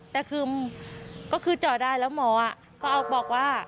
แต่คือก็คือเจาะได้แล้วหมอก็บอกว่า